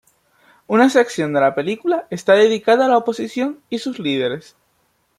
Una sección de la película está dedicada a la oposición y sus líderes.